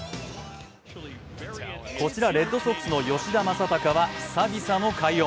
こちら、レッドソックスの吉田正尚はは久々の快音。